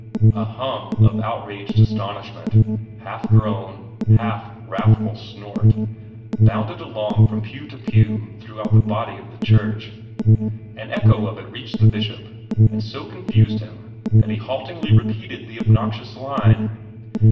A hum of outraged astonishment half groan, half wrathful snort bounded along from pew to pew throughout the body of the church. An echo of it reached the Bishop, and so confused him that he haltingly repeated the obnoxious line.